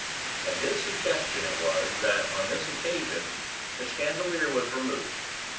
At his suggestion it was that, on this occasion, the chandelier was removed.